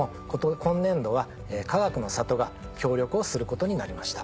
今年度は「かがくの里」が協力をすることになりました。